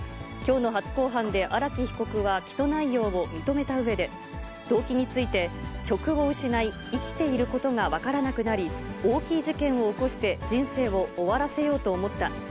きょうの初公判で、荒木被告は起訴内容を認めたうえで、動機について、職を失い、生きていることが分からなくなり、大きい事件を起こして、人生を終わらせようと思った。